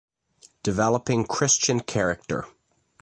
Developing Christian Character.